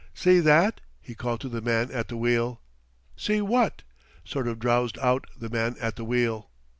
"See that?" he called to the man at the wheel. "See what?" sort of drowsed out the man at the wheel.